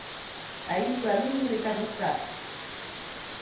Ahí fue alumno de Carlos Prats.